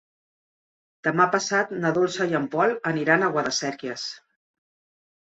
Demà passat na Dolça i en Pol aniran a Guadasséquies.